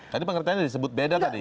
tadi pengertiannya disebut beda tadi